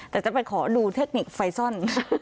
แต่จะไปขอดูเทคนิคไฟซ่อน